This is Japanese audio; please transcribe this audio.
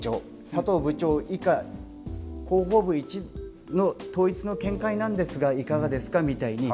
サトウ部長以下広報部の統一の見解なんですがいかがですかみたいに。